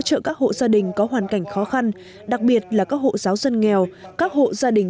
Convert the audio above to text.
trợ các hộ gia đình có hoàn cảnh khó khăn đặc biệt là các hộ giáo dân nghèo các hộ gia đình